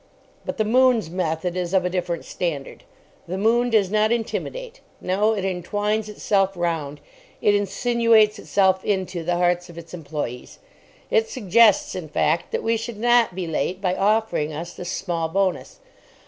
But the "Moon's" method is of a different standard. The "Moon" does not intimidate; no, it entwines itself round, it insinuates itself into, the hearts of its employees. It suggests, in fact, that we should not be late by offering us this small bonus.